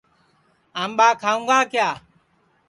آمٻا کھاؤں گا کِیا